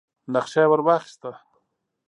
نخشه يې ور واخيسه.